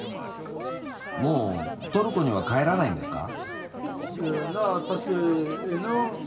もうトルコには帰らないんですか？